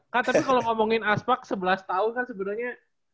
kak tapi kalau ngomongin aspak sebelas tahun kan sebenarnya